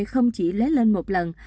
không chỉ lấy lên một lần